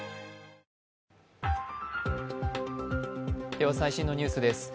では最新のニュースです。